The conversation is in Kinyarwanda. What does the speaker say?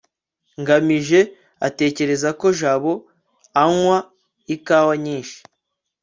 ngamije atekereza ko jabo anywa ikawa nyinshi